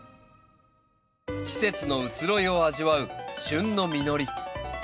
季節の移ろいを味わう旬の実り。